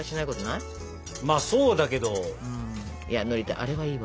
あれはいいわ。